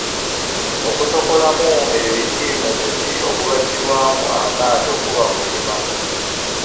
Okusokoolamu ebiti mu muti ogubajjibwamu amaato kuba Kulima.